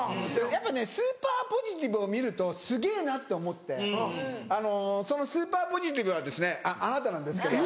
やっぱねスーパーポジティブを見るとすげぇなって思ってあのそのスーパーポジティブはあなたなんですけど。